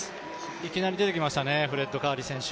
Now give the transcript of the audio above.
いきなり出てきましたね、フレッド・カーリー選手。